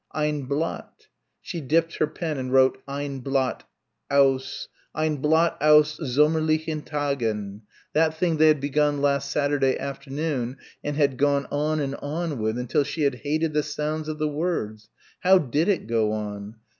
Ein Blatt she dipped her pen and wrote Ein Blatt ... aus ... Ein Blatt aus sommerlichen Tagen ... that thing they had begun last Saturday afternoon and gone on and on with until she had hated the sound of the words. How did it go on?